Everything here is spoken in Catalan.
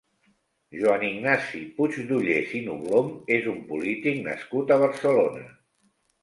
Joan Ignasi Puigdollers i Noblom és un polític nascut a Barcelona.